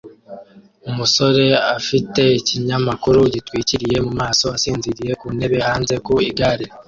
Umusore afite ikinyamakuru gitwikiriye mu maso asinziriye ku ntebe hanze ku igare